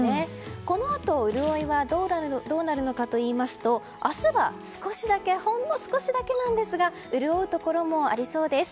このあと、潤いはどうなるのかといいますと明日はほんの少しだけなんですが潤うところがありそうです。